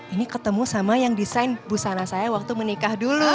ini ketemu sama yang desain busana saya waktu menikah dulu